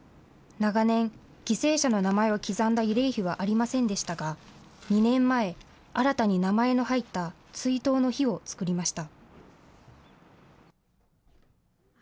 長年、犠牲者の名前を刻んだ慰霊碑はありませんでしたが、２年前、新たに名前の入った追悼の碑を作りました。